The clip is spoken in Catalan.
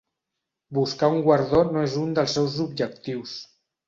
Buscar un guardó no és un dels seus objectius.